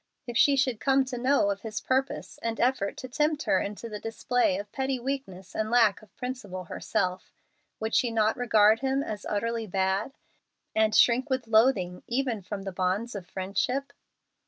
If she should come to know of his purpose and effort to tempt her into the display of petty weakness and lack of principle herself, would she not regard him as "utterly bad," and shrink with loathing even from the bonds of friendship?